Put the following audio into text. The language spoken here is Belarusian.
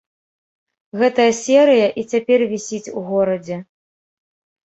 Гэтая серыя і цяпер вісіць у горадзе.